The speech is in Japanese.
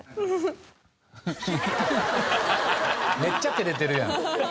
めっちゃ照れてるやん。